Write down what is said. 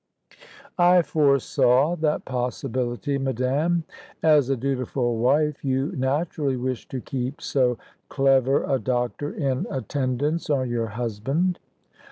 "I foresaw that possibility, madame. As a dutiful wife, you naturally wish to keep so clever a doctor in attendance on your husband."